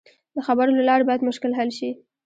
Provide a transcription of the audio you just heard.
د خبرو له لارې باید مشکل حل شي.